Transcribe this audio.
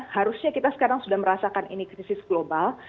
harusnya kita sekarang sudah merasakan ini krisis global